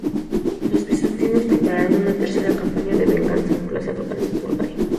Los bizantinos prepararon una tercera campaña de venganza por las acciones de Bulgaria.